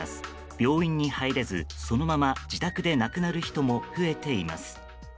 病院に入れずそのまま自宅で亡くなる人も増えています。